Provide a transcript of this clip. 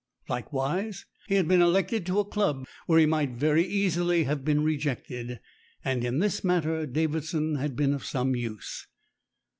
Likewise he had been elected to a club where he might very easily have been rejected, and in this matter Davidson had been of some use.